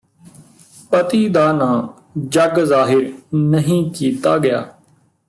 ਪਤੀ ਦਾ ਨਾਂਅ ਜੱਗ ਜ਼ਾਹਿਰ ਨਹੀਂ ਕੀਤਾ ਗਿਆ